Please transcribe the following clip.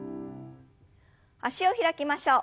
脚を開きましょう。